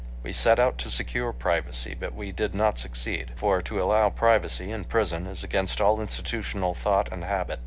We set out to secure privacy, but we did not succeed, for, to allow privacy in prison, is against all institutional thought and habit.